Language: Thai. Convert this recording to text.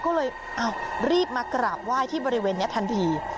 ก็เลยรีบมากราบไหว้ที่บริเวณนี้ทันที